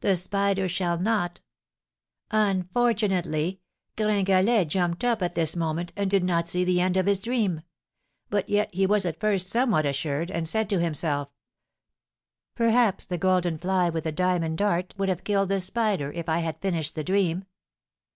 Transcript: The spider shall not ' Unfortunately Gringalet jumped up at this moment, and did not see the end of his dream; but yet he was at first somewhat assured, and said to himself, 'Perhaps the golden fly with the diamond dart would have killed the spider if I had finished the dream.'